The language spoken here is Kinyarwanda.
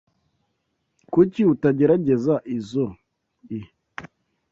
Kuki utagerageza izoi?